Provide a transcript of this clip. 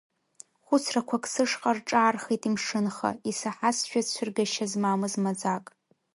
Хәыцрақәак сышҟа рҿаархеит имшынха, исаҳазшәа цәыргашьа змамыз маӡак.